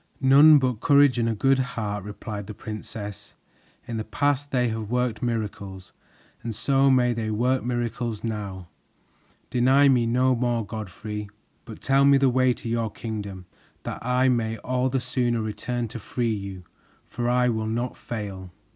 "None but courage and a good heart," replied the princess. "In the past they have worked miracles, and so may they work miracles now. Deny me no more, Godfrey, but tell me the way to your kingdom, that I may all the sooner return to free you, for I will not fail."